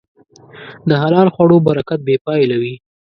د حلال خوړو برکت بېپایله وي.